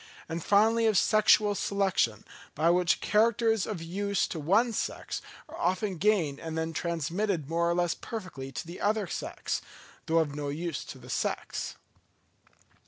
and finally of sexual selection, by which characters of use to one sex are often gained and then transmitted more or less perfectly to the other sex, though of no use to the sex.